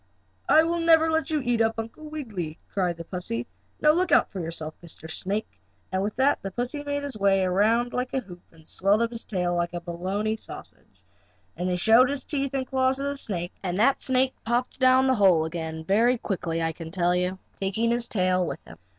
"I will never let you eat up Uncle Wiggily!" cried the pussy. "Now look out for yourself, Mr. Snake!" and with that the pussy made his back round like a hoop, and he swelled up his tail like a bologna sausage, and he showed his teeth and claws to the snake, and that snake popped down the hole again very quickly, I can tell you, taking his tail with him.